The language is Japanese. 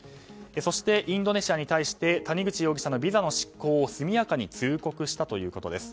そしてインドネシアに対して谷口容疑者のビザの失効を速やかに通告したということです。